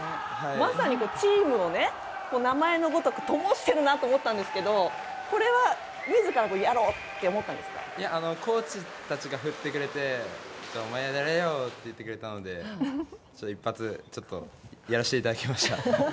まさに、チームを名前のごとくともしてるなと思ったんですけどコーチたちが振ってくれてお前、やれよと言ってくれたので一発やらせていただきました。